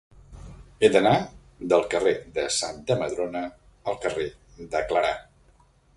He d'anar del carrer de Santa Madrona al carrer de Clarà.